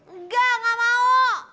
enggak gak mau